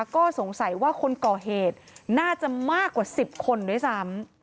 ก็สงสัยว่าคนก่อเหตุน่าจะมากกว่า๑๐คนด้วยซ้ำ